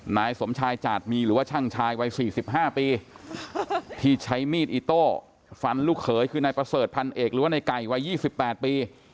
นายสมชายจาดมีหรือว่าช่างชายวัย๔๕ปีที่ใช้มีดอิโต้ฟันลูกเขยคือนายประเสริฐพันเอกหรือว่าในไก่วัย๒๘ปี